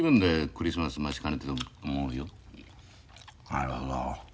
なるほど。